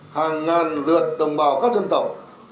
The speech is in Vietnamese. hàng ngàn lượt đồng bào các dân tộc